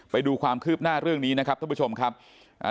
ไปดูความคืบหน้าเรื่องนี้นะครับท่านผู้ชมครับอ่า